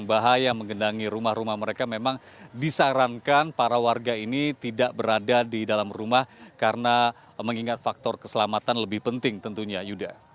jadi bagi orang orang yang bahaya mengendangi rumah rumah mereka memang disarankan para warga ini tidak berada di dalam rumah karena mengingat faktor keselamatan lebih penting tentunya yuda